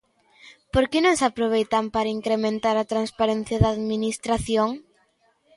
¿Por que non se aproveitan para incrementar a transparencia da Administración?